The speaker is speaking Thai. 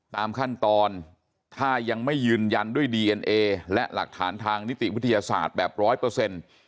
ตามขั้นตอนถ้ายังไม่ยืนยันด้วยดีเอ็นเอและหลักฐานทางนิติวิทยาศาสตร์แบบร้อยเปอร์เซ็นต์